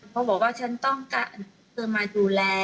เขาบอกว่าฉันต้องการความรักพี่มาดูแล